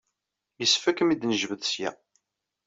Yessefk ad kem-id-nejbed ssya.